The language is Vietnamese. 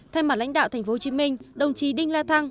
thay mặt lãnh đạo tp hcm đồng chí đinh la thăng